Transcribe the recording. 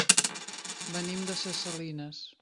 Venim de ses Salines.